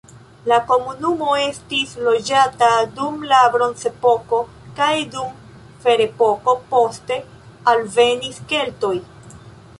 La komunumo estis loĝata dum la bronzepoko kaj dum ferepoko, poste alvenis keltoj.